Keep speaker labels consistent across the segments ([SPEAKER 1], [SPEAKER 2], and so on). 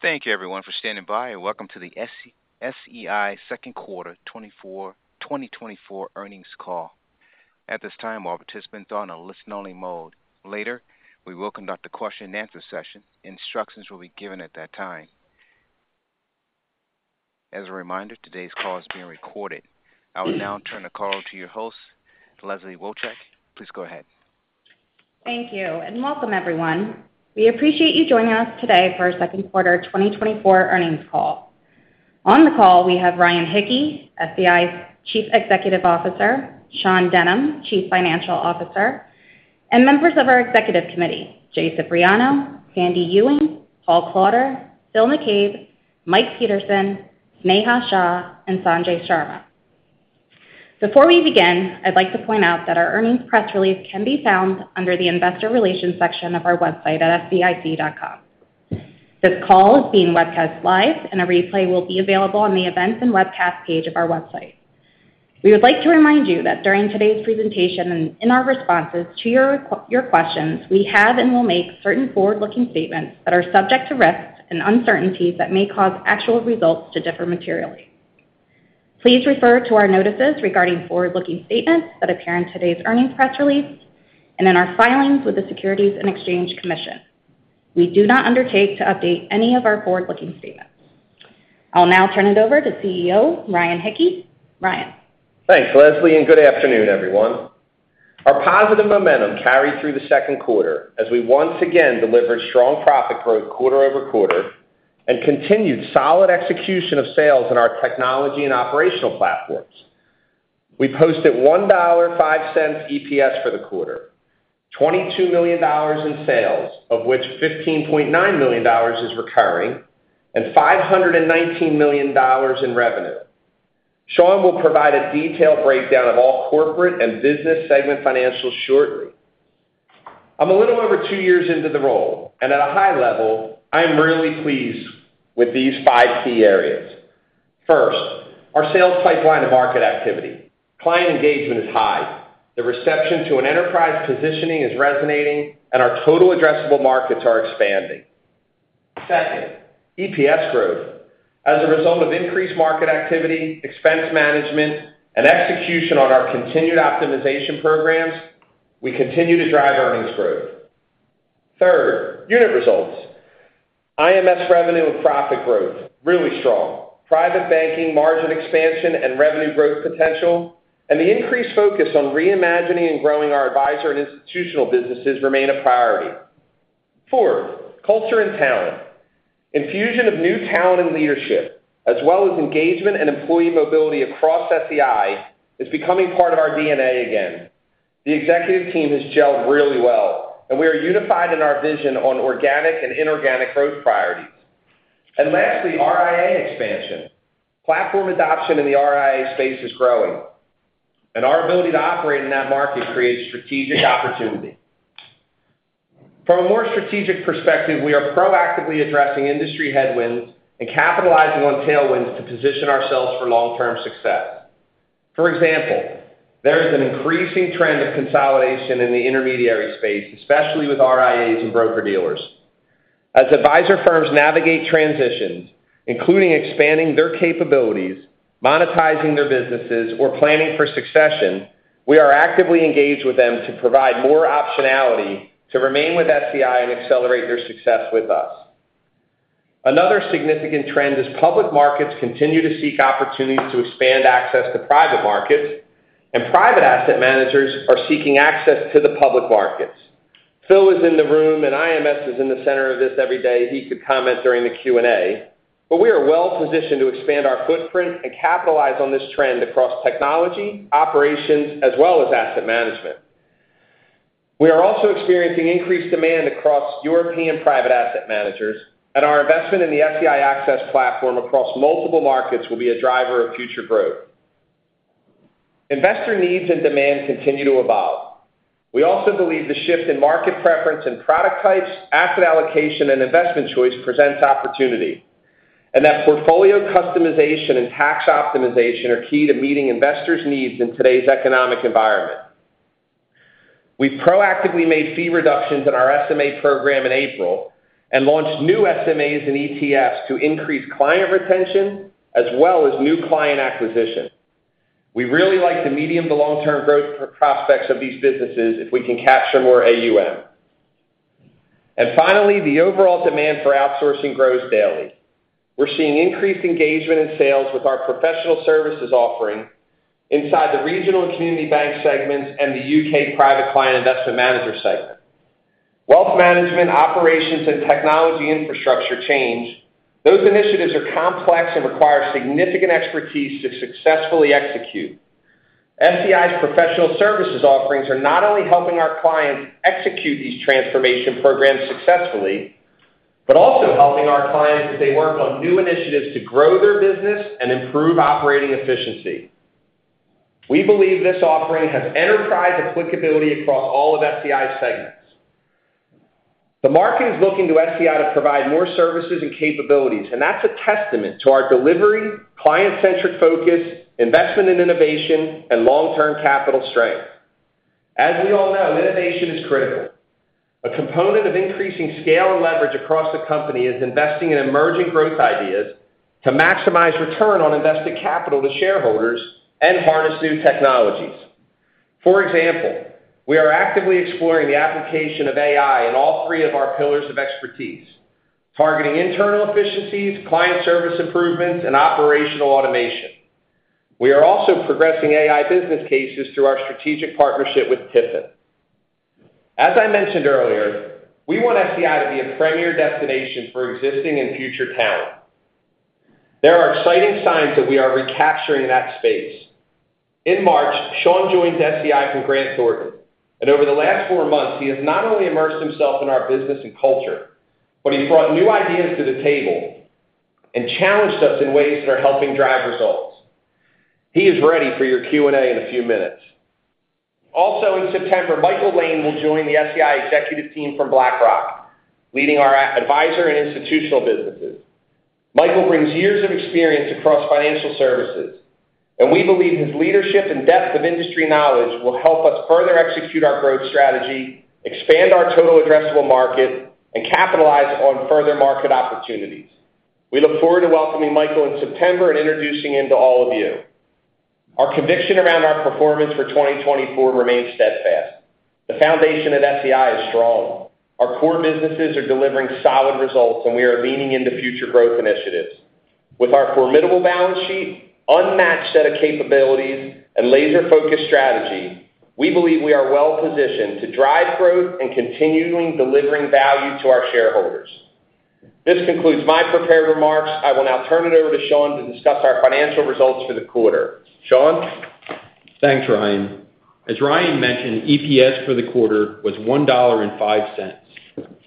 [SPEAKER 1] Thank you, everyone, for standing by, and welcome to the SEI second quarter 2024 earnings call. At this time, all participants are on a listen-only mode. Later, we will conduct a question-and-answer session. Instructions will be given at that time. As a reminder, today's call is being recorded. I will now turn the call over to your host, Leslie Wojcik. Please go ahead.
[SPEAKER 2] Thank you and welcome, everyone. We appreciate you joining us today for our second quarter 2024 earnings call. On the call, we have Ryan Hicke, SEI's Chief Executive Officer, Sean Denham, Chief Financial Officer, and members of our executive committee: Jay Cipriano, Sandy Ewing, Paul Klauder, Phil McCabe, Mike Peterson, Sneha Shah, and Sanjay Sharma. Before we begin, I'd like to point out that our earnings press release can be found under the Investor Relations section of our website at sei.com. This call is being webcast live, and a replay will be available on the Events and Webcast page of our website. We would like to remind you that during today's presentation and in our responses to your questions, we have and will make certain forward-looking statements that are subject to risks and uncertainties that may cause actual results to differ materially. Please refer to our notices regarding forward-looking statements that appear in today's earnings press release and in our filings with the Securities and Exchange Commission. We do not undertake to update any of our forward-looking statements. I'll now turn it over to CEO Ryan Hicke. Ryan.
[SPEAKER 3] Thanks, Leslie, and good afternoon, everyone. Our positive momentum carried through the second quarter as we once again delivered strong profit growth quarter-over-quarter and continued solid execution of sales in our technology and operational platforms. We posted $1.05 EPS for the quarter, $22 million in sales, of which $15.9 million is recurring, and $519 million in revenue. Sean will provide a detailed breakdown of all corporate and business segment financials shortly. I'm a little over two years into the role, and at a high level, I'm really pleased with these five key areas. First, our sales pipeline and market activity. Client engagement is high. The reception to an enterprise positioning is resonating, and our total addressable markets are expanding. Second, EPS growth. As a result of increased market activity, expense management, and execution on our continued optimization programs, we continue to drive earnings growth. Third, unit results. IMS revenue and profit growth. Really strong. Private Banking margin expansion and revenue growth potential, and the increased focus on reimagining and growing our advisor and institutional businesses remain a priority. Fourth, culture and talent. Infusion of new talent and leadership, as well as engagement and employee mobility across SEI, is becoming part of our DNA again. The executive team has gelled really well, and we are unified in our vision on organic and inorganic growth priorities. And lastly, RIA expansion. Platform adoption in the RIA space is growing, and our ability to operate in that market creates strategic opportunity. From a more strategic perspective, we are proactively addressing industry headwinds and capitalizing on tailwinds to position ourselves for long-term success. For example, there is an increasing trend of consolidation in the intermediary space, especially with RIAs and broker-dealers. As advisor firms navigate transitions, including expanding their capabilities, monetizing their businesses, or planning for succession, we are actively engaged with them to provide more optionality to remain with SEI and accelerate their success with us. Another significant trend is public markets continue to seek opportunities to expand access to private markets, and private asset managers are seeking access to the public markets. Phil is in the room, and IMS is in the center of this every day. He could comment during the Q&A, but we are well-positioned to expand our footprint and capitalize on this trend across technology, operations, as well as asset management. We are also experiencing increased demand across European private asset managers, and our investment in the SEI Access platform across multiple markets will be a driver of future growth. Investor needs and demand continue to evolve. We also believe the shift in market preference and product types, asset allocation, and investment choice presents opportunity, and that portfolio customization and tax optimization are key to meeting investors' needs in today's economic environment. We've proactively made fee reductions in our SMA program in April and launched new SMAs and ETFs to increase client retention as well as new client acquisition. We'd really like the medium to long-term growth prospects of these businesses if we can capture more AUM. And finally, the overall demand for outsourcing grows daily. We're seeing increased engagement in sales with our professional services offering inside the regional and community bank segments and the UK private client investment manager segment. Wealth management, operations, and technology infrastructure change. Those initiatives are complex and require significant expertise to successfully execute. SEI's professional services offerings are not only helping our clients execute these transformation programs successfully, but also helping our clients as they work on new initiatives to grow their business and improve operating efficiency. We believe this offering has enterprise applicability across all of SEI's segments. The market is looking to SEI to provide more services and capabilities, and that's a testament to our delivery, client-centric focus, investment in innovation, and long-term capital strength. As we all know, innovation is critical. A component of increasing scale and leverage across the company is investing in emerging growth ideas to maximize return on invested capital to shareholders and harness new technologies. For example, we are actively exploring the application of AI in all three of our pillars of expertise, targeting internal efficiencies, client service improvements, and operational automation. We are also progressing AI business cases through our strategic partnership with TIFIN. As I mentioned earlier, we want SEI to be a premier destination for existing and future talent. There are exciting signs that we are recapturing that space. In March, Sean joined SEI from Grant Thornton, and over the last four months, he has not only immersed himself in our business and culture, but he's brought new ideas to the table and challenged us in ways that are helping drive results. He is ready for your Q&A in a few minutes. Also, in September, Michael Lane will join the SEI executive team from BlackRock, leading our advisor and institutional businesses. Michael brings years of experience across financial services, and we believe his leadership and depth of industry knowledge will help us further execute our growth strategy, expand our total addressable market, and capitalize on further market opportunities. We look forward to welcoming Michael in September and introducing him to all of you. Our conviction around our performance for 2024 remains steadfast. The foundation at SEI is strong. Our core businesses are delivering solid results, and we are leaning into future growth initiatives. With our formidable balance sheet, unmatched set of capabilities, and laser-focused strategy, we believe we are well-positioned to drive growth and continuing delivering value to our shareholders. This concludes my prepared remarks. I will now turn it over to Sean to discuss our financial results for the quarter. Sean?
[SPEAKER 4] Thanks, Ryan. As Ryan mentioned, EPS for the quarter was $1.05,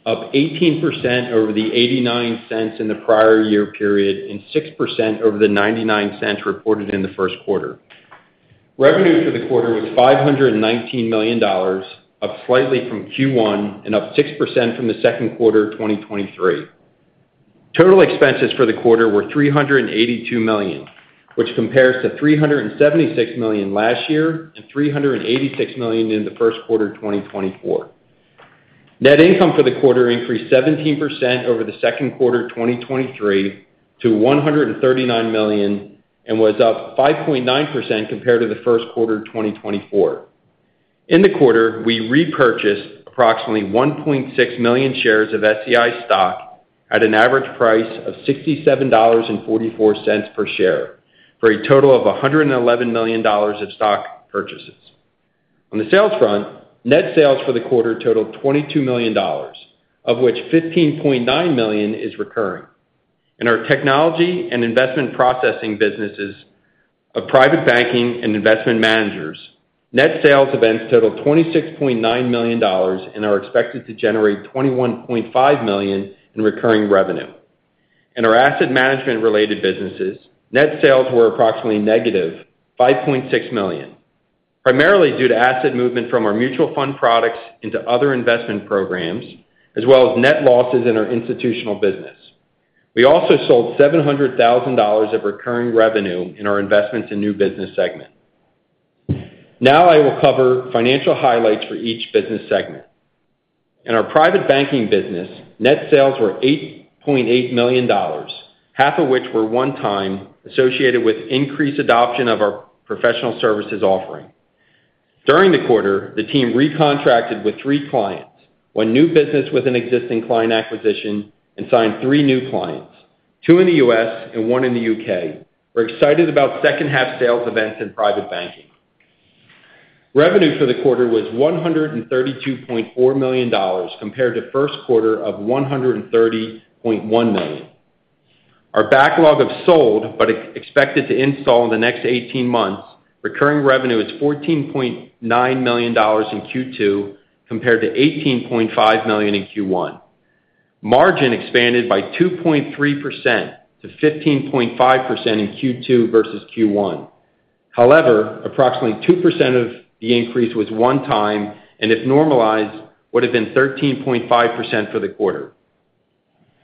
[SPEAKER 4] up 18% over the $0.89 in the prior year period and 6% over the $0.99 reported in the first quarter. Revenue for the quarter was $519 million, up slightly from Q1 and up 6% from the second quarter of 2023. Total expenses for the quarter were $382 million, which compares to $376 million last year and $386 million in the first quarter of 2024. Net income for the quarter increased 17% over the second quarter of 2023 to $139 million and was up 5.9% compared to the first quarter of 2024. In the quarter, we repurchased approximately 1.6 million shares of SEI stock at an average price of $67.44 per share for a total of $111 million of stock purchases. On the sales front, net sales for the quarter totaled $22 million, of which $15.9 million is recurring. In our technology and investment processing businesses of private banking and investment managers, net sales events totaled $26.9 million and are expected to generate $21.5 million in recurring revenue. In our asset management-related businesses, net sales were approximately -$5.6 million, primarily due to asset movement from our mutual fund products into other investment programs, as well as net losses in our institutional business. We also sold $700,000 of recurring revenue in our Investments in New Business segment. Now I will cover financial highlights for each business segment. In our Private Banking business, net sales were $8.8 million, half of which were one-time associated with increased adoption of our professional services offering. During the quarter, the team re-contracted with three clients, won new business with an existing client acquisition, and signed three new clients, two in the U.S. and one in the U.K. We're excited about second-half sales events in Private Banking. Revenue for the quarter was $132.4 million compared to first quarter of $130.1 million. Our backlog of sold but expected to install in the next 18 months recurring revenue is $14.9 million in Q2 compared to $18.5 million in Q1. Margin expanded by 2.3% to 15.5% in Q2 versus Q1. However, approximately 2% of the increase was one-time and, if normalized, would have been 13.5% for the quarter.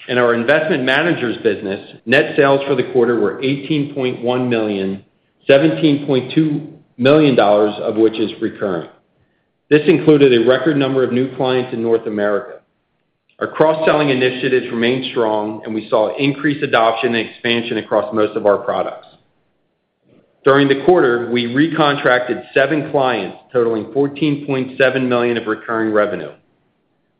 [SPEAKER 4] In our Investment Managers' business, net sales for the quarter were $18.1 million, $17.2 million of which is recurring. This included a record number of new clients in North America. Our cross-selling initiatives remained strong, and we saw increased adoption and expansion across most of our products. During the quarter, we re-contracted 7 clients, totaling $14.7 million of recurring revenue.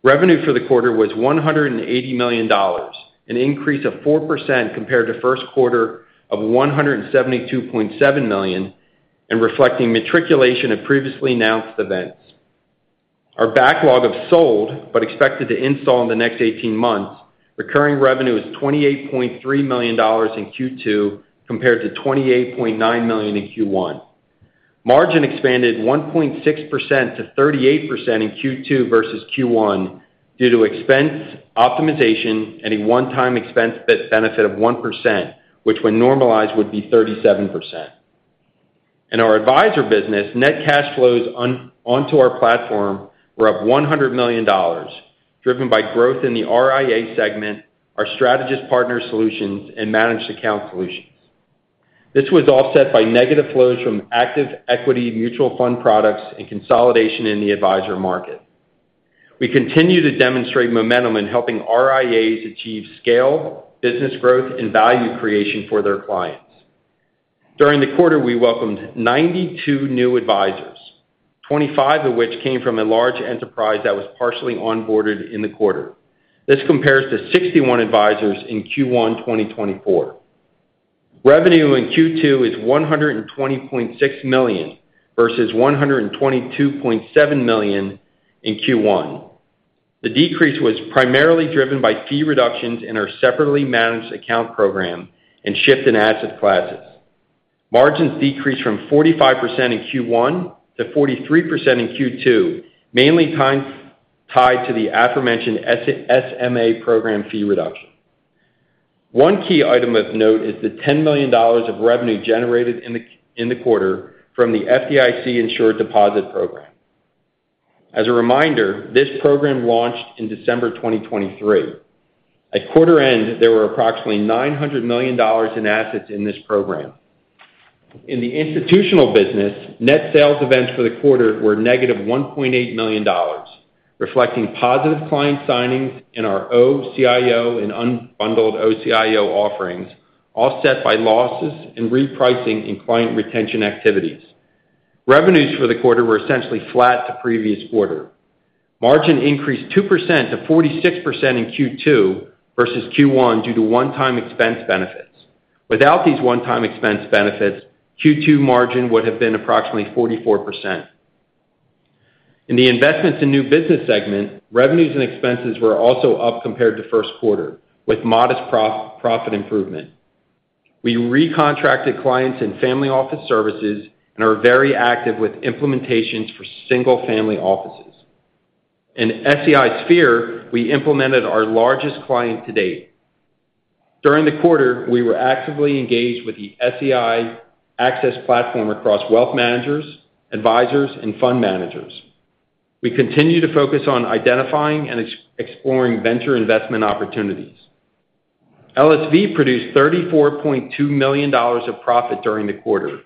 [SPEAKER 4] Revenue for the quarter was $180 million, an increase of 4% compared to first quarter of $172.7 million and reflecting matriculation of previously announced events. Our backlog of sold but expected to install in the next 18 months recurring revenue is $28.3 million in Q2 compared to $28.9 million in Q1. Margin expanded 1.6% to 38% in Q2 versus Q1 due to expense optimization and a one-time expense benefit of 1%, which when normalized would be 37%. In our advisor business, net cash flows onto our platform were up $100 million, driven by growth in the RIA segment, our strategist partner solutions, and managed account solutions. This was offset by negative flows from active equity mutual fund products and consolidation in the advisor market. We continue to demonstrate momentum in helping RIAs achieve scale, business growth, and value creation for their clients. During the quarter, we welcomed 92 new advisors, 25 of which came from a large enterprise that was partially onboarded in the quarter. This compares to 61 advisors in Q1 2024. Revenue in Q2 is $120.6 million versus $122.7 million in Q1. The decrease was primarily driven by fee reductions in our separately managed account program and shift in asset classes. Margins decreased from 45% in Q1 to 43% in Q2, mainly tied to the aforementioned SMA program fee reduction. One key item of note is the $10 million of revenue generated in the quarter from the FDIC insured deposit program. As a reminder, this program launched in December 2023. At quarter end, there were approximately $900 million in assets in this program. In the institutional business, net sales events for the quarter were -$1.8 million, reflecting positive client signings in our OCIO and unbundled OCIO offerings, offset by losses and repricing in client retention activities. Revenues for the quarter were essentially flat to previous quarter. Margin increased 2% to 46% in Q2 versus Q1 due to one-time expense benefits. Without these one-time expense benefits, Q2 margin would have been approximately 44%. In the Investments in New Business segment, revenues and expenses were also up compared to first quarter, with modest profit improvement. We re-contracted clients in Family Office Services and are very active with implementations for single-family offices. In SEI Sphere, we implemented our largest client to date. During the quarter, we were actively engaged with the SEI Access platform across wealth managers, advisors, and fund managers. We continue to focus on identifying and exploring venture investment opportunities. LSV produced $34.2 million of profit during the quarter.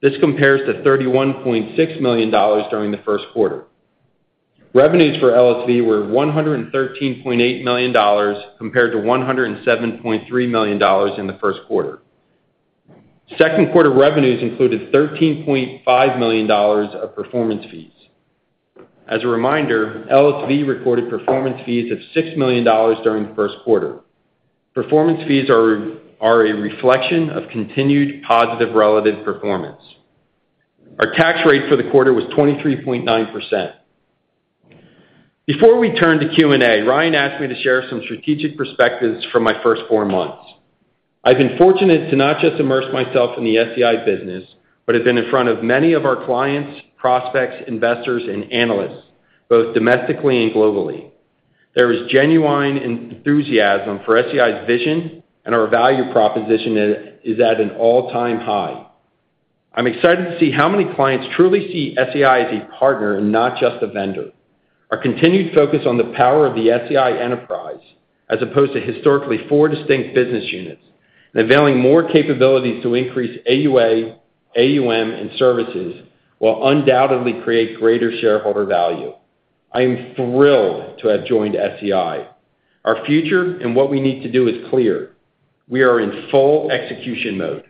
[SPEAKER 4] This compares to $31.6 million during the first quarter. Revenues for LSV were $113.8 million compared to $107.3 million in the first quarter. Second quarter revenues included $13.5 million of performance fees. As a reminder, LSV recorded performance fees of $6 million during the first quarter. Performance fees are a reflection of continued positive relative performance. Our tax rate for the quarter was 23.9%. Before we turn to Q&A, Ryan asked me to share some strategic perspectives from my first four months. I've been fortunate to not just immerse myself in the SEI business, but have been in front of many of our clients, prospects, investors, and analysts, both domestically and globally. There is genuine enthusiasm for SEI's vision, and our value proposition is at an all-time high. I'm excited to see how many clients truly see SEI as a partner and not just a vendor. Our continued focus on the power of the SEI enterprise, as opposed to historically four distinct business units, and availing more capabilities to increase AUA, AUM, and services will undoubtedly create greater shareholder value. I am thrilled to have joined SEI. Our future and what we need to do is clear. We are in full execution mode.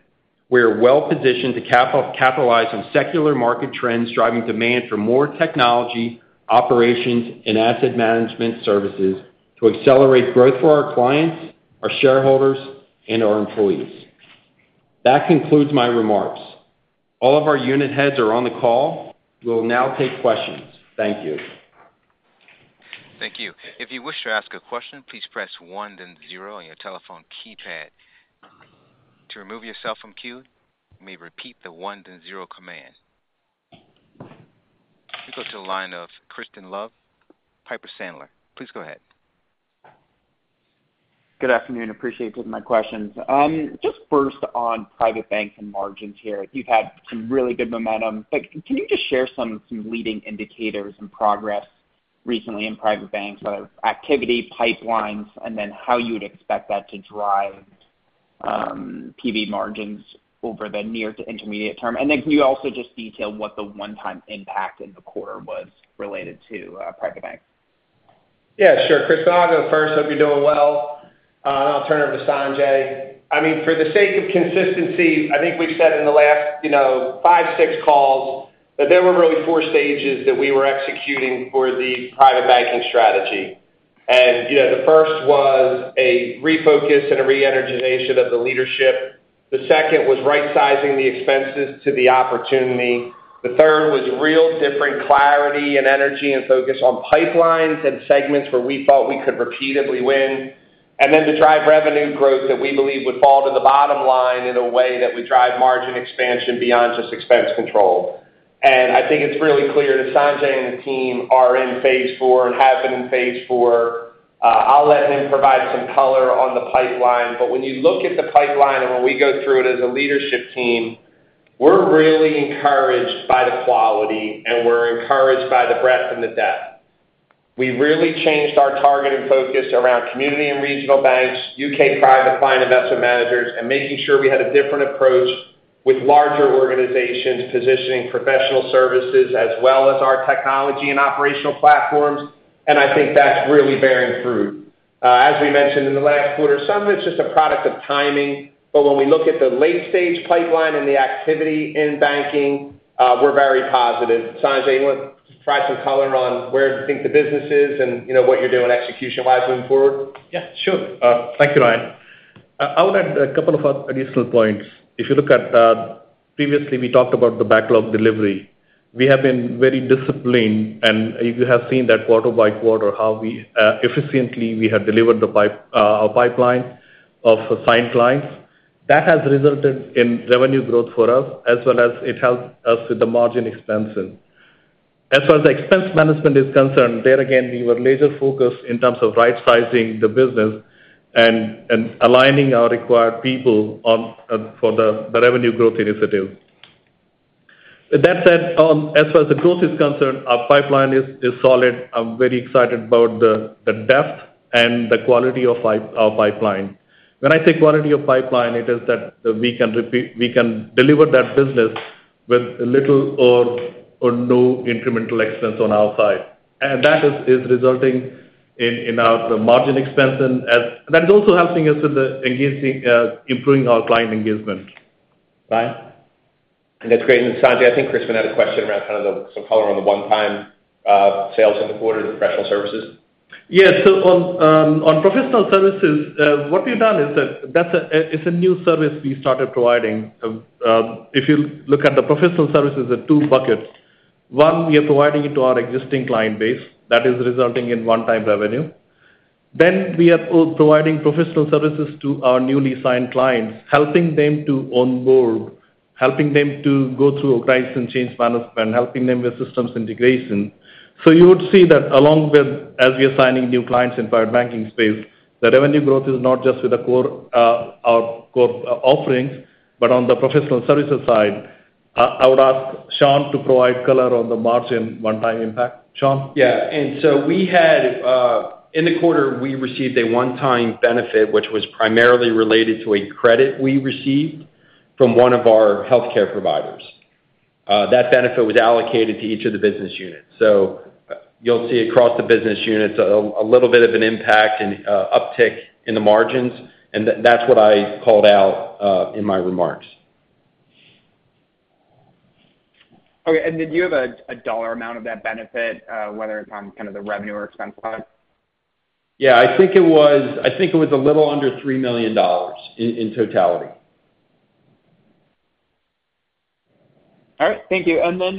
[SPEAKER 4] We are well-positioned to capitalize on secular market trends driving demand for more technology, operations, and asset management services to accelerate growth for our clients, our shareholders, and our employees. That concludes my remarks. All of our unit heads are on the call. We'll now take questions. Thank you.
[SPEAKER 1] Thank you. If you wish to ask a question, please press 1, then 0 on your telephone keypad. To remove yourself from queue, you may repeat the 1, then 0 command. You go to the line of Crispin Love, Piper Sandler. Please go ahead.
[SPEAKER 5] Good afternoon. Appreciate you taking my questions. Just first on private bank and margins here, you've had some really good momentum. But can you just share some leading indicators and progress recently in private banks, activity, pipelines, and then how you would expect that to drive PV margins over the near to intermediate term? And then can you also just detail what the one-time impact in the quarter was related to Private Banks?
[SPEAKER 3] Yeah, sure. Cris, I'll go first. Hope you're doing well. I'll turn it over to Sanjay. I mean, for the sake of consistency, I think we've said in the last five, six calls that there were really four stages that we were executing for the Private Banking strategy. The first was a refocus and a re-energization of the leadership. The second was right-sizing the expenses to the opportunity. The third was real different clarity and energy and focus on pipelines and segments where we thought we could repeatedly win. Then to drive revenue growth that we believe would fall to the bottom line in a way that would drive margin expansion beyond just expense control. I think it's really clear that Sanjay and the team are in phase four and have been in phase four. I'll let him provide some color on the pipeline. But when you look at the pipeline and when we go through it as a leadership team, we're really encouraged by the quality, and we're encouraged by the breadth and the depth. We really changed our target and focus around community and regional banks, UK private client investment managers, and making sure we had a different approach with larger organizations positioning professional services as well as our technology and operational platforms. And I think that's really bearing fruit. As we mentioned in the last quarter, some of it's just a product of timing. But when we look at the late-stage pipeline and the activity in banking, we're very positive. Sanjay, you want to try some color on where you think the business is and what you're doing execution-wise moving forward?
[SPEAKER 6] Yeah, sure. Thank you, Ryan. I would add a couple of additional points. If you look at previously, we talked about the backlog delivery. We have been very disciplined, and you have seen that quarter by quarter how efficiently we have delivered our pipeline of signed clients. That has resulted in revenue growth for us, as well as it helped us with the margin expenses. As far as the expense management is concerned, there again, we were laser-focused in terms of right-sizing the business and aligning our required people for the revenue growth initiative. That said, as far as the growth is concerned, our pipeline is solid. I'm very excited about the depth and the quality of our pipeline. When I say quality of pipeline, it is that we can deliver that business with little or no incremental expense on our side. And that is resulting in our margin expense. That is also helping us with improving our client engagement. Ryan?
[SPEAKER 3] That's great. And Sanjay, I think Crispin had a question around kind of some color on the one-time sales in the quarter to professional services.
[SPEAKER 6] Yeah. So on professional services, what we've done is that it's a new service we started providing. If you look at the professional services, there are two buckets. One, we are providing it to our existing client base. That is resulting in one-time revenue. Then we are providing professional services to our newly signed clients, helping them to onboard, helping them to go through a crisis and change management, helping them with systems integration. So you would see that along with, as we are signing new clients in private banking space, the revenue growth is not just with our core offerings, but on the professional services side. I would ask Sean to provide color on the margin one-time impact. Sean?
[SPEAKER 4] Yeah. And so in the quarter, we received a one-time benefit, which was primarily related to a credit we received from one of our healthcare providers. That benefit was allocated to each of the business units. So you'll see across the business units a little bit of an impact and uptick in the margins. And that's what I called out in my remarks.
[SPEAKER 5] Okay. And did you have a dollar amount of that benefit, whether it's on kind of the revenue or expense side?
[SPEAKER 4] Yeah. I think it was a little under $3 million in totality.
[SPEAKER 5] All right. Thank you. And then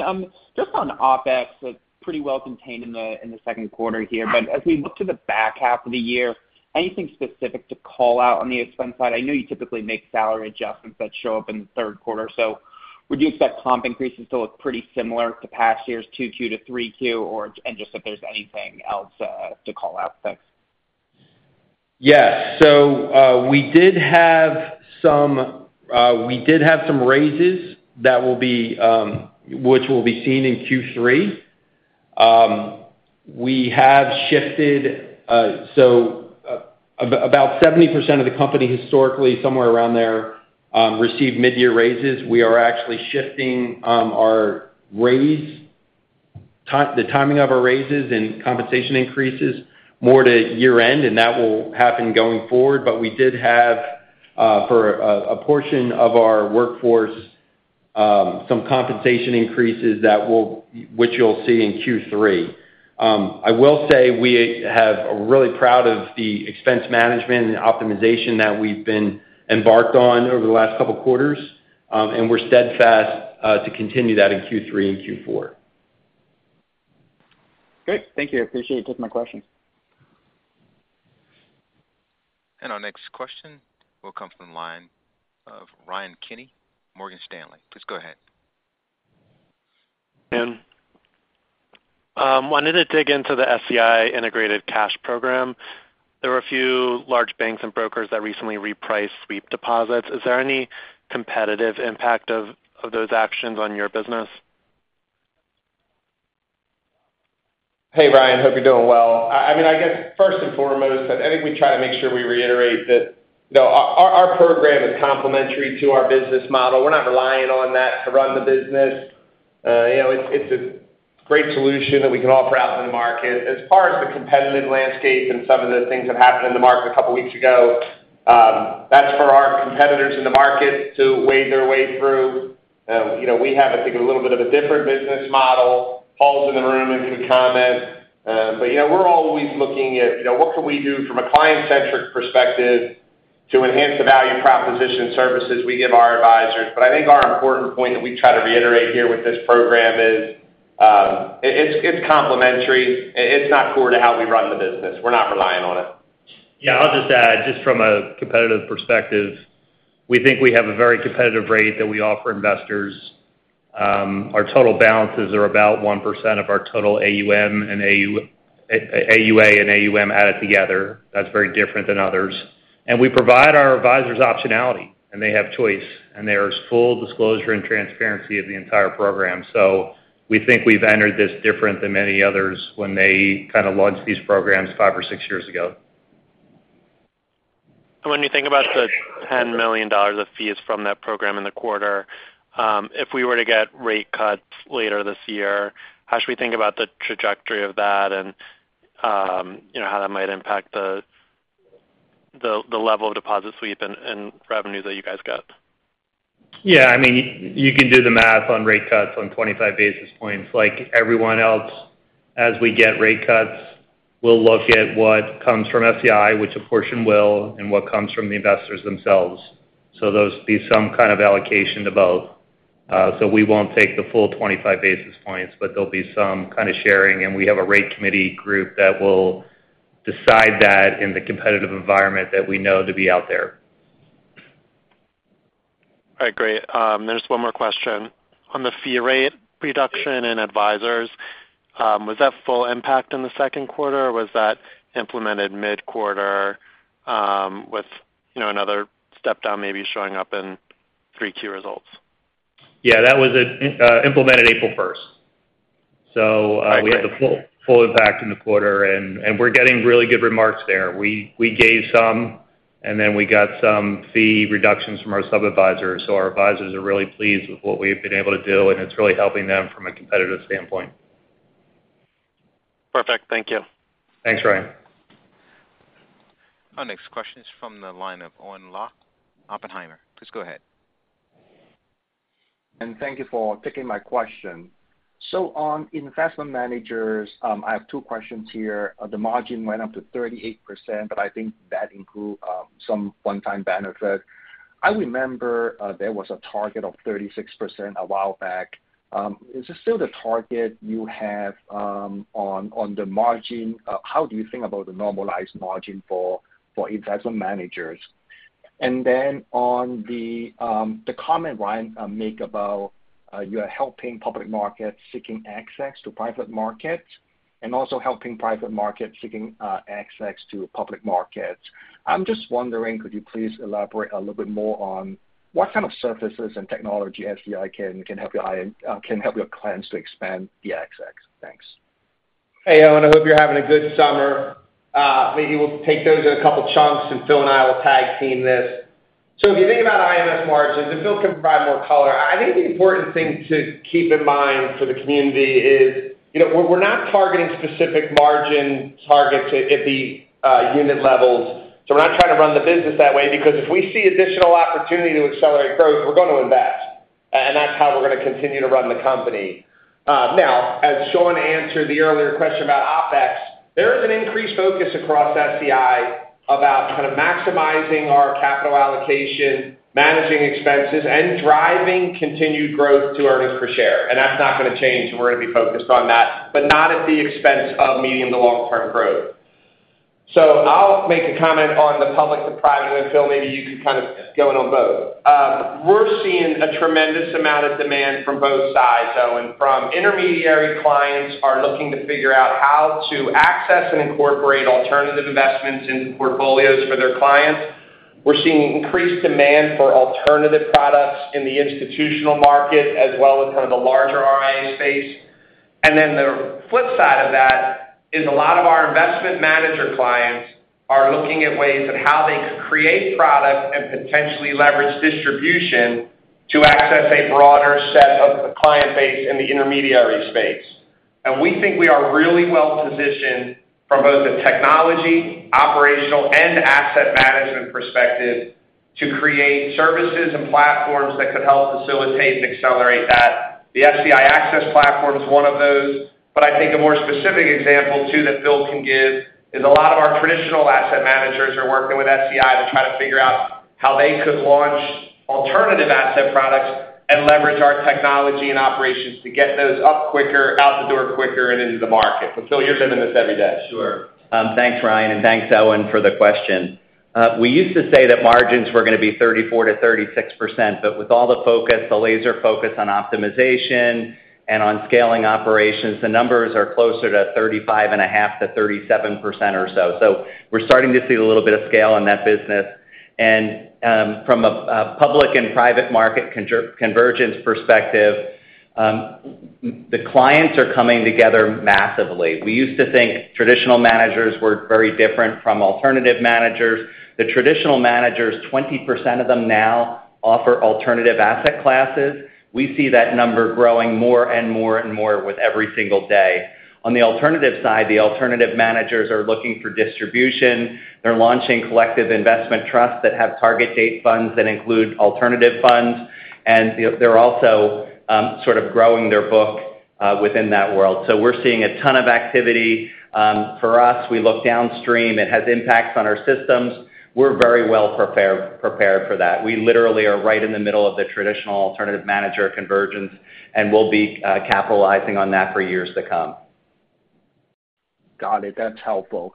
[SPEAKER 5] just on OpEx, it's pretty well contained in the second quarter here. But as we look to the back half of the year, anything specific to call out on the expense side? I know you typically make salary adjustments that show up in the third quarter. So would you expect comp increases to look pretty similar to past years, 2Q to 3Q, or just if there's anything else to call out?
[SPEAKER 4] Yes. So we did have some raises that will be which will be seen in Q3. We have shifted. So about 70% of the company historically, somewhere around there, received mid-year raises. We are actually shifting the timing of our raises and compensation increases more to year-end, and that will happen going forward. But we did have for a portion of our workforce some compensation increases which you'll see in Q3. I will say we are really proud of the expense management and optimization that we've been embarked on over the last couple of quarters. And we're steadfast to continue that in Q3 and Q4.
[SPEAKER 5] Great. Thank you. Appreciate you taking my questions.
[SPEAKER 1] Our next question will come from the line of Ryan Kenny, Morgan Stanley. Please go ahead.
[SPEAKER 7] Yeah. I need to dig into the SEI Integrated Cash Program. There were a few large banks and brokers that recently repriced sweep deposits. Is there any competitive impact of those actions on your business?
[SPEAKER 3] Hey, Ryan. Hope you're doing well. I mean, I guess first and foremost, I think we try to make sure we reiterate that our program is complementary to our business model. We're not relying on that to run the business. It's a great solution that we can offer out in the market. As far as the competitive landscape and some of the things that happened in the market a couple of weeks ago, that's for our competitors in the market to wade their way through. We have, I think, a little bit of a different business model. Paul's in the room and can comment. But we're always looking at what can we do from a client-centric perspective to enhance the value proposition services we give our advisors. But I think our important point that we try to reiterate here with this program is it's complementary. It's not core to how we run the business. We're not relying on it.
[SPEAKER 8] Yeah. I'll just add, just from a competitive perspective, we think we have a very competitive rate that we offer investors. Our total balances are about 1% of our total AUA and AUM added together. That's very different than others. And we provide our advisors optionality, and they have choice. And there is full disclosure and transparency of the entire program. So we think we've entered this different than many others when they kind of launched these programs five or six years ago.
[SPEAKER 7] When you think about the $10 million of fees from that program in the quarter, if we were to get rate cuts later this year, how should we think about the trajectory of that and how that might impact the level of deposit sweep and revenue that you guys got?
[SPEAKER 8] Yeah. I mean, you can do the math on rate cuts on 25 basis points. Like everyone else, as we get rate cuts, we'll look at what comes from SEI, which a portion will, and what comes from the investors themselves. So there'll be some kind of allocation to both. So we won't take the full 25 basis points, but there'll be some kind of sharing. And we have a rate committee group that will decide that in the competitive environment that we know to be out there.
[SPEAKER 7] All right. Great. Then just one more question. On the fee rate reduction and advisors, was that full impact in the second quarter, or was that implemented mid-quarter with another step down maybe showing up in 3Q results?
[SPEAKER 8] Yeah. That was implemented April 1st. We had the full impact in the quarter. We're getting really good remarks there. We gave some, and then we got some fee reductions from our sub-advisors. Our advisors are really pleased with what we have been able to do, and it's really helping them from a competitive standpoint.
[SPEAKER 7] Perfect. Thank you.
[SPEAKER 8] Thanks, Ryan.
[SPEAKER 1] Our next question is from the line of Owen Lau, Oppenheimer. Please go ahead.
[SPEAKER 9] Thank you for taking my question. On investment managers, I have two questions here. The margin went up to 38%, but I think that improved some one-time benefit. I remember there was a target of 36% a while back. Is it still the target you have on the margin? How do you think about the normalized margin for investment managers? And then on the comment Ryan made about you are helping public markets seeking access to private markets and also helping private markets seeking access to public markets. I'm just wondering, could you please elaborate a little bit more on what kind of services and technology SEI can help your clients to expand the access? Thanks.
[SPEAKER 3] Hey, Owen. I hope you're having a good summer. Maybe we'll take those in a couple of chunks, and Phil and I will tag-team this. So if you think about IMS margins, and Phil can provide more color. I think the important thing to keep in mind for the community is we're not targeting specific margin targets at the unit levels. So we're not trying to run the business that way because if we see additional opportunity to accelerate growth, we're going to invest. And that's how we're going to continue to run the company. Now, as Sean answered the earlier question about OpEx, there is an increased focus across SEI about kind of maximizing our capital allocation, managing expenses, and driving continued growth to earnings per share. That's not going to change, and we're going to be focused on that, but not at the expense of medium- to long-term growth. I'll make a comment on the public to private, and Phil, maybe you could kind of go in on both. We're seeing a tremendous amount of demand from both sides, Owen. From intermediary clients are looking to figure out how to access and incorporate alternative investments into portfolios for their clients. We're seeing increased demand for alternative products in the institutional market as well as kind of the larger RIA space. And then the flip side of that is a lot of our investment manager clients are looking at ways of how they could create product and potentially leverage distribution to access a broader set of the client base in the intermediary space. We think we are really well positioned from both a technology, operational, and asset management perspective to create services and platforms that could help facilitate and accelerate that. The SEI Access platform is one of those. But I think a more specific example too that Phil can give is a lot of our traditional asset managers are working with SEI to try to figure out how they could launch alternative asset products and leverage our technology and operations to get those up quicker, out the door quicker, and into the market. But Phil, you're living this every day.
[SPEAKER 10] Sure. Thanks, Ryan. And thanks, Owen, for the question. We used to say that margins were going to be 34%-36%. But with all the focus, the laser focus on optimization and on scaling operations, the numbers are closer to 35.5%-37% or so. So we're starting to see a little bit of scale in that business. And from a public and private market convergence perspective, the clients are coming together massively. We used to think traditional managers were very different from alternative managers. The traditional managers, 20% of them now offer alternative asset classes. We see that number growing more and more and more with every single day. On the alternative side, the alternative managers are looking for distribution. They're launching collective investment trusts that have target date funds that include alternative funds. And they're also sort of growing their book within that world. So we're seeing a ton of activity. For us, we look downstream. It has impacts on our systems. We're very well prepared for that. We literally are right in the middle of the traditional alternative manager convergence, and we'll be capitalizing on that for years to come.
[SPEAKER 9] Got it. That's helpful.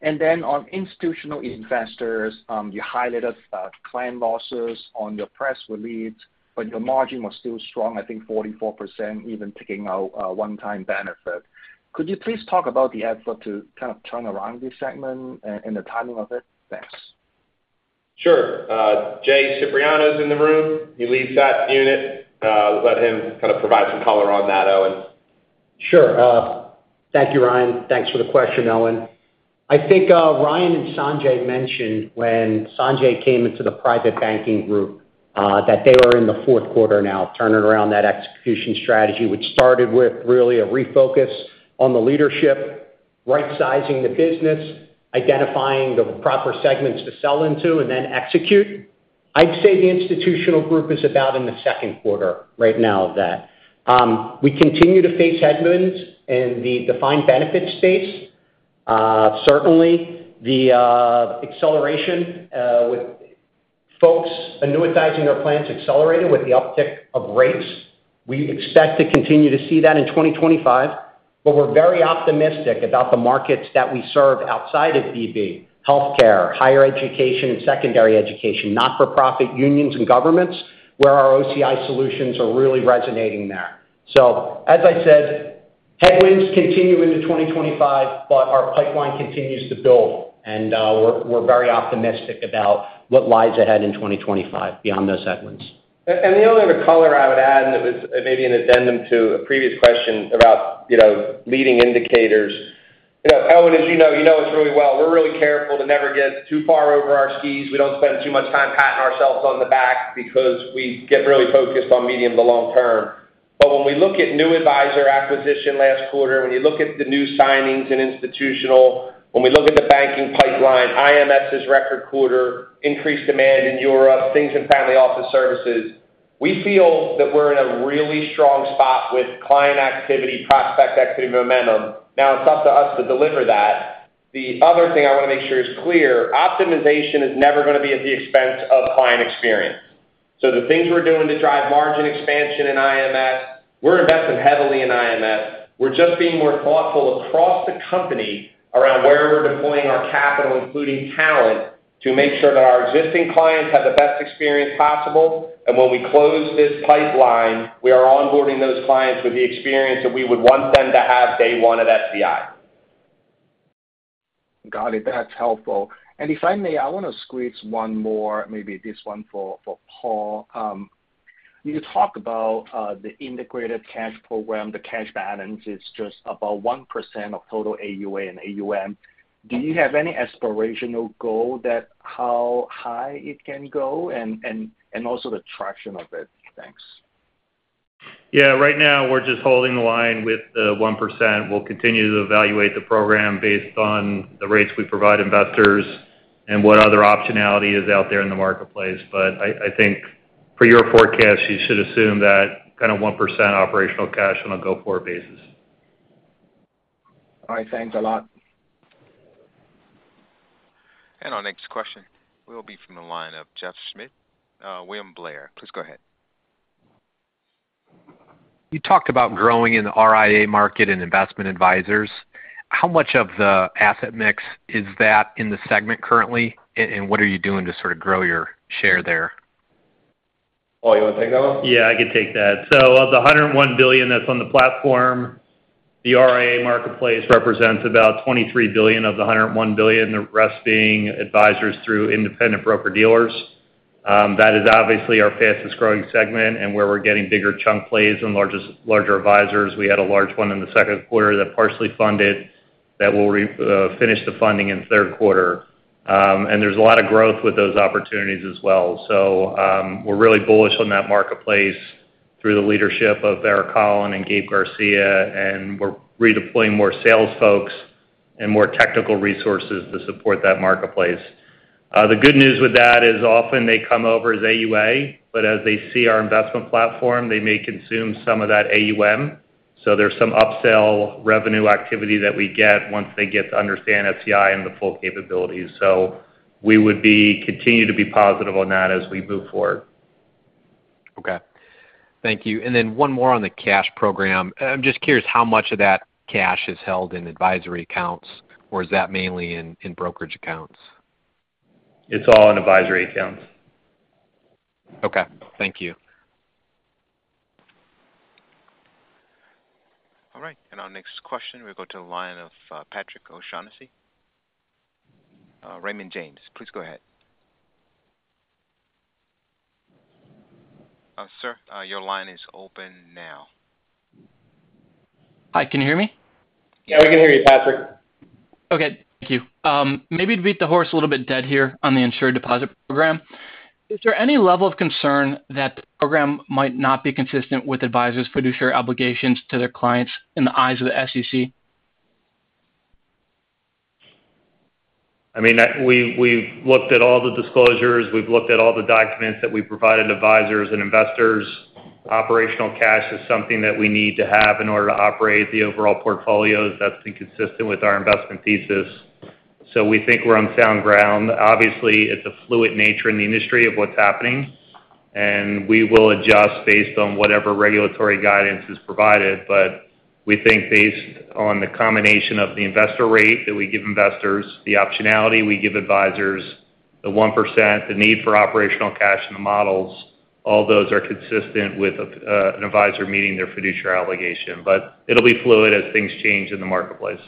[SPEAKER 9] And then on institutional investors, you highlighted client losses on your press release, but your margin was still strong, I think 44%, even picking out one-time benefit. Could you please talk about the effort to kind of turn around this segment and the timing of it? Thanks.
[SPEAKER 3] Sure. Jay Cipriano's in the room. You leave that unit. Let him kind of provide some color on that, Owen.
[SPEAKER 11] Sure. Thank you, Ryan. Thanks for the question, Owen. I think Ryan and Sanjay mentioned when Sanjay came into the Private Banking group that they were in the fourth quarter now, turning around that execution strategy, which started with really a refocus on the leadership, right-sizing the business, identifying the proper segments to sell into, and then execute. I'd say the institutional group is about in the second quarter right now of that. We continue to face headwinds in the defined benefit space. Certainly, the acceleration with folks annuitizing their plans accelerated with the uptick of rates. We expect to continue to see that in 2025. But we're very optimistic about the markets that we serve outside of DB, healthcare, higher education, and secondary education, not-for-profit unions and governments where our OCIO solutions are really resonating there. As I said, headwinds continue into 2025, but our pipeline continues to build. We're very optimistic about what lies ahead in 2025 beyond those headwinds.
[SPEAKER 3] The only other color I would add, and it was maybe an addendum to a previous question about leading indicators. Owen, as you know, you know us really well. We're really careful to never get too far over our skis. We don't spend too much time patting ourselves on the back because we get really focused on medium to long-term. But when we look at new advisor acquisition last quarter, when you look at the new signings in institutional, when we look at the banking pipeline, IMS's record quarter, increased demand in Europe, things in Family Office Services, we feel that we're in a really strong spot with client activity, prospect activity, momentum. Now, it's up to us to deliver that. The other thing I want to make sure is clear. Optimization is never going to be at the expense of client experience. The things we're doing to drive margin expansion in IMS. We're investing heavily in IMS. We're just being more thoughtful across the company around where we're deploying our capital, including talent, to make sure that our existing clients have the best experience possible. When we close this pipeline, we are onboarding those clients with the experience that we would want them to have day one at SEI.
[SPEAKER 9] Got it. That's helpful. And if I may, I want to squeeze one more, maybe this one for Paul. You talked about the Integrated Cash Program. The cash balance is just about 1% of total AUA and AUM. Do you have any aspirational goal that how high it can go and also the traction of it? Thanks.
[SPEAKER 8] Yeah. Right now, we're just holding the line with the 1%. We'll continue to evaluate the program based on the rates we provide investors and what other optionality is out there in the marketplace. But I think for your forecast, you should assume that kind of 1% operational cash on a go-forward basis.
[SPEAKER 9] All right. Thanks a lot.
[SPEAKER 1] Our next question will be from the line of Jeff Schmitt, William Blair. Please go ahead.
[SPEAKER 12] You talked about growing in the RIA market and investment advisors. How much of the asset mix is that in the segment currently, and what are you doing to sort of grow your share there?
[SPEAKER 3] Paul, you want to take that one?
[SPEAKER 8] Yeah. I could take that. So of the $101 billion that's on the platform, the RIA marketplace represents about $23 billion of the $101 billion, the rest being advisors through independent broker-dealers. That is obviously our fastest-growing segment and where we're getting bigger chunk plays and larger advisors. We had a large one in the second quarter that partially funded that will finish the funding in the third quarter. And there's a lot of growth with those opportunities as well. So we're really bullish on that marketplace through the leadership of Erich Holland and Gabe Garcia. And we're redeploying more sales folks and more technical resources to support that marketplace. The good news with that is often they come over as AUA, but as they see our investment platform, they may consume some of that AUM. So there's some upsell revenue activity that we get once they get to understand SEI and the full capabilities. So we would continue to be positive on that as we move forward.
[SPEAKER 12] Okay. Thank you. And then one more on the cash program. I'm just curious how much of that cash is held in advisory accounts, or is that mainly in brokerage accounts?
[SPEAKER 8] It's all in advisory accounts.
[SPEAKER 12] Okay. Thank you.
[SPEAKER 1] All right. Our next question, we'll go to the line of Patrick O'Shaughnessy. Raymond James, please go ahead. Sir, your line is open now.
[SPEAKER 13] Hi. Can you hear me?
[SPEAKER 3] Yeah. We can hear you, Patrick.
[SPEAKER 13] Okay. Thank you. Maybe to beat the horse a little bit dead here on the insured deposit program, is there any level of concern that the program might not be consistent with advisors' fiduciary obligations to their clients in the eyes of the SEC?
[SPEAKER 8] I mean, we've looked at all the disclosures. We've looked at all the documents that we provided advisors and investors. Operational cash is something that we need to have in order to operate the overall portfolio that's been consistent with our investment thesis. So we think we're on sound ground. Obviously, it's a fluid nature in the industry of what's happening. We will adjust based on whatever regulatory guidance is provided. We think based on the combination of the investor rate that we give investors, the optionality we give advisors, the 1%, the need for operational cash in the models, all those are consistent with an advisor meeting their fiduciary obligation. It'll be fluid as things change in the marketplace.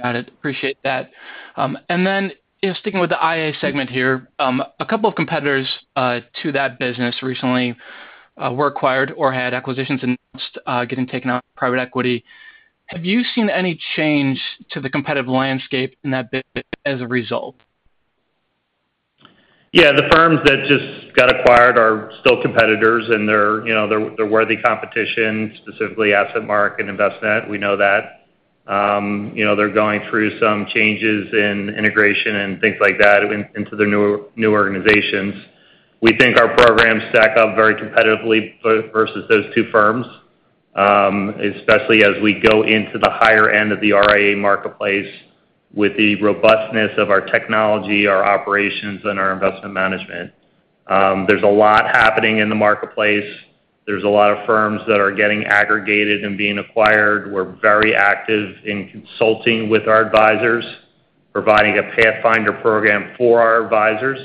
[SPEAKER 13] Got it. Appreciate that. Then sticking with the IA segment here, a couple of competitors to that business recently were acquired or had acquisitions announced getting taken out of private equity. Have you seen any change to the competitive landscape in that bit as a result?
[SPEAKER 3] Yeah. The firms that just got acquired are still competitors, and they're worthy competition, specifically AssetMark and Envestnet. We know that. They're going through some changes in integration and things like that into their new organizations. We think our programs stack up very competitively versus those two firms, especially as we go into the higher end of the RIA marketplace with the robustness of our technology, our operations, and our investment management. There's a lot happening in the marketplace. There's a lot of firms that are getting aggregated and being acquired. We're very active in consulting with our advisors, providing a Pathfinder program for our advisors,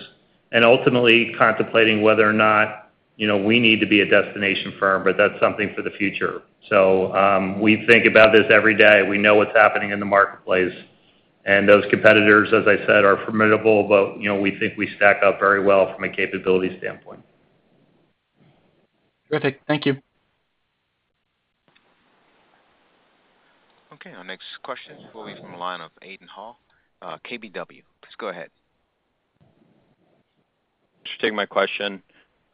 [SPEAKER 3] and ultimately contemplating whether or not we need to be a destination firm, but that's something for the future. So we think about this every day. We know what's happening in the marketplace. And those competitors, as I said, are formidable, but we think we stack up very well from a capability standpoint.
[SPEAKER 13] Terrific. Thank you.
[SPEAKER 1] Okay. Our next question will be from the line of Aidan Hall, KBW. Please go ahead.
[SPEAKER 14] Just take my question.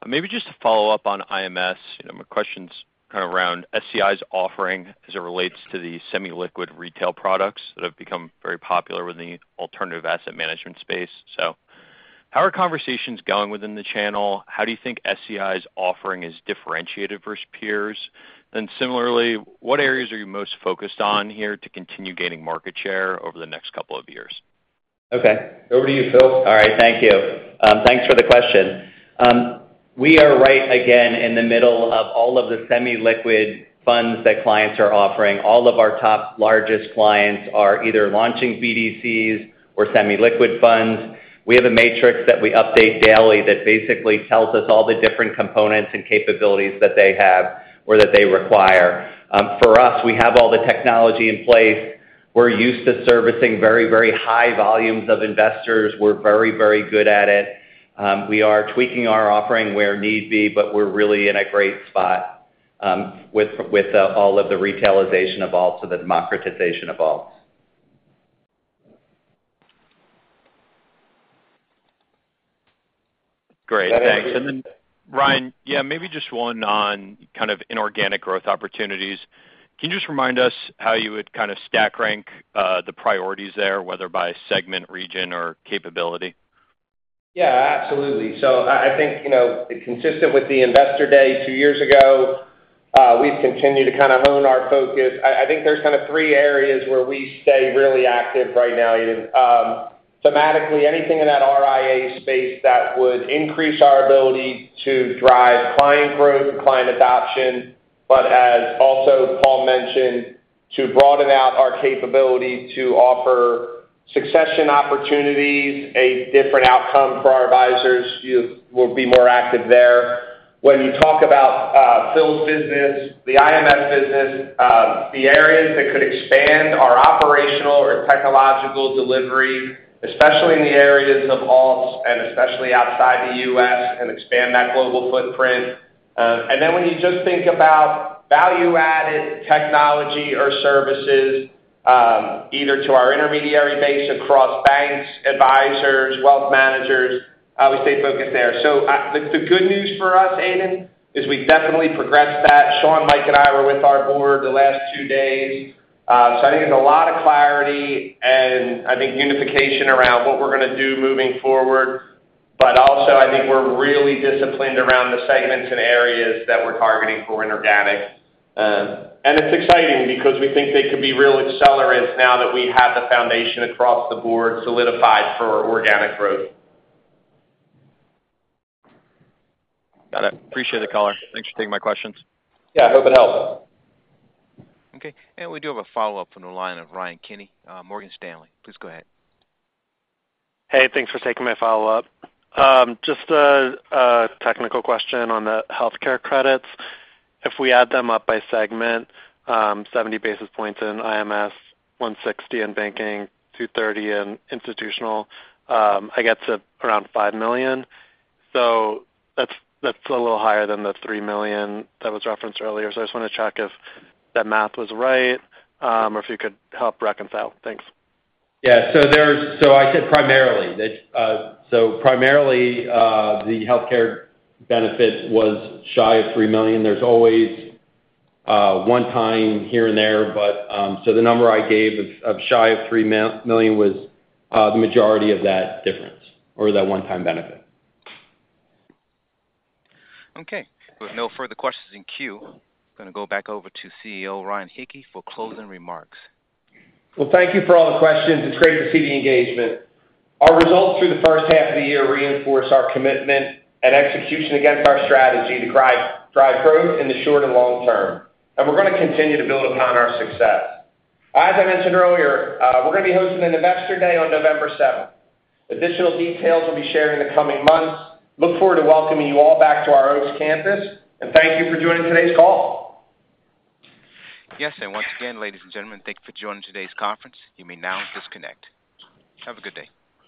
[SPEAKER 14] Maybe just to follow up on IMS. My question's kind of around SEI's offering as it relates to the semi-liquid retail products that have become very popular within the alternative asset management space. So how are conversations going within the channel? How do you think SEI's offering is differentiated versus peers? And similarly, what areas are you most focused on here to continue gaining market share over the next couple of years?
[SPEAKER 3] Okay. Over to you, Phil.
[SPEAKER 10] All right. Thank you. Thanks for the question. We are right again in the middle of all of the semi-liquid funds that clients are offering. All of our top largest clients are either launching BDCs or semi-liquid funds. We have a matrix that we update daily that basically tells us all the different components and capabilities that they have or that they require. For us, we have all the technology in place. We're used to servicing very, very high volumes of investors. We're very, very good at it. We are tweaking our offering where need be, but we're really in a great spot with all of the retailization of alts and the democratization of all.
[SPEAKER 14] Great. Thanks. And then, Ryan, yeah, maybe just one on kind of inorganic growth opportunities. Can you just remind us how you would kind of stack rank the priorities there, whether by segment, region, or capability?
[SPEAKER 3] Yeah. Absolutely. So I think consistent with the investor day two years ago, we've continued to kind of hone our focus. I think there's kind of three areas where we stay really active right now. Thematically, anything in that RIA space that would increase our ability to drive client growth and client adoption, but as also Paul mentioned, to broaden out our capability to offer succession opportunities, a different outcome for our advisors will be more active there. When you talk about Phil's business, the IMS business, the areas that could expand our operational or technological delivery, especially in the areas of alts and especially outside the US, and expand that global footprint. And then when you just think about value-added technology or services either to our intermediary base across banks, advisors, wealth managers, we stay focused there. So the good news for us, Aidan, is we definitely progressed that, Sean, Mike, and I were with our board the last two days. I think there's a lot of clarity and I think unification around what we're going to do moving forward. Also, I think we're really disciplined around the segments and areas that we're targeting for inorganic. It's exciting because we think they could be real accelerants now that we have the foundation across the board solidified for organic growth.
[SPEAKER 14] Got it. Appreciate it, Collar. Thanks for taking my questions.
[SPEAKER 3] Yeah. I hope it helps.
[SPEAKER 1] Okay. We do have a follow-up from the line of Ryan Kenny, Morgan Stanley. Please go ahead.
[SPEAKER 7] Hey, thanks for taking my follow-up. Just a technical question on the healthcare credits. If we add them up by segment, 70 basis points in IMS, 160 in banking, 230 in institutional, I get to around $5 million. So that's a little higher than the $3 million that was referenced earlier. So I just want to check if that math was right or if you could help reconcile. Thanks.
[SPEAKER 10] Yeah. So there's, so I said primarily, that. So primarily, the healthcare benefit was shy of $3 million. There's always one time here and there. So the number I gave of shy of $3 million was the majority of that difference or that one-time benefit.
[SPEAKER 1] Okay. With no further questions in queue, I'm going to go back over to CEO Ryan Hicke for closing remarks.
[SPEAKER 3] Well, thank you for all the questions. It's great to see the engagement. Our results through the first half of the year reinforce our commitment and execution against our strategy to drive growth in the short and long term. We're going to continue to build upon our success. As I mentioned earlier, we're going to be hosting an investor day on November 7th. Additional details will be shared in the coming months. Look forward to welcoming you all back to our Oaks campus. Thank you for joining today's call.
[SPEAKER 1] Yes. Once again, ladies and gentlemen, thank you for joining today's conference. You may now disconnect. Have a good day.